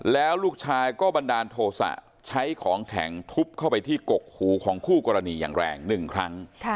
แล้วลูกชายก็บันดาลโทษะใช้ของแข็งทุบเข้าไปที่กกหูของคู่กรณีอย่างแรง๑ครั้ง